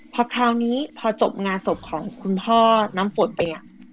พอคราวนี้พอจบงานศพของคุณพ่อน้ำฝนไป